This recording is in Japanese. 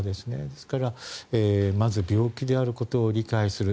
ですから、まず病気であることを理解する。